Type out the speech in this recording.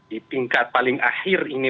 di tingkat paling akhir ini